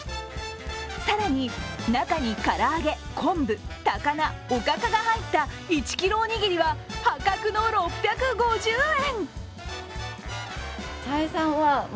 更に、中に唐揚げ、昆布、高菜おかかが入った１ｋｇおにぎりは破格の６５０円。